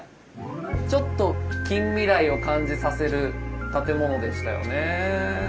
ちょっと近未来を感じさせる建物でしたよね。